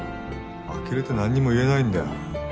あきれてなんにも言えないんだよ。